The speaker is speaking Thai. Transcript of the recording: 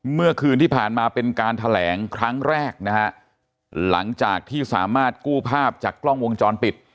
เมื่อคืนที่ผ่านมาเป็นการแถลงครั้งแรกนะฮะหลังจากที่สามารถกู้ภาพจากกล้องวงจรปิด